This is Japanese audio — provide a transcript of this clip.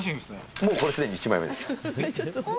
もうこれすでに１枚目です。